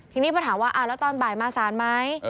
ทีนี้พอถามว่าแล้วตอนบ่ายมาสารไหม